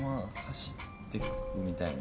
走ってくみたいな。